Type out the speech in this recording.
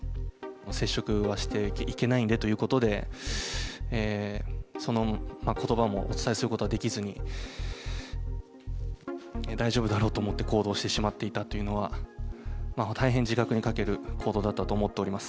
接触はしていけないんでということで、そのことばもお伝えすることができずに、大丈夫だろうと思って行動してしまっていたというのは、大変自覚に欠ける行動だったと思っております。